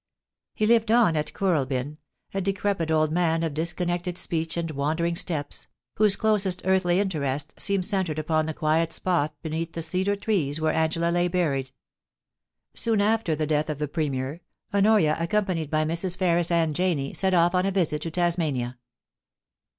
He lived on at Kooralbyn, a decrepit old man of discon nected speech and wandering steps, whose closest earthly interests seemed centred upon the quiet spot beneath the cedar trees where Angela lay buried. Soon after the death of the Premier, Honoria, accom panied by \frs. Ferris and Janie, set off on a visit to Tasmania.